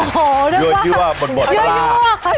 ยั่วครับตูแบบว่าแน่นเมอร์นะครับ